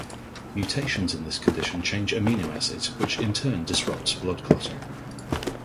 Mutations in this condition change amino acids, which in turn disrupts blood clotting.